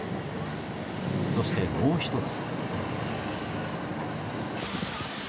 そして、もう１つ。